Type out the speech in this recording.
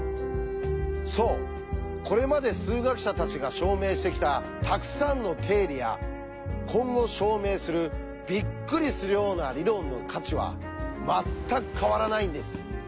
そうこれまで数学者たちが証明してきたたくさんの定理や今後証明するびっくりするような理論の価値は全く変わらないんです。